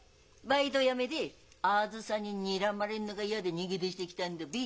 バイト辞めてあづさににらまれんのが嫌で逃げ出してきたんだべ？